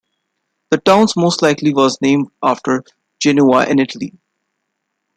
The town most likely was named after Genoa, in Italy.